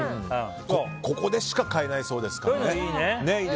ここでしか買えないそうですからね。